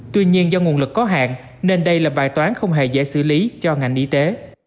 tuy nhiên do nguồn lực có hạn nên đây là bài toán không hề dễ xử lý cho ngành y tế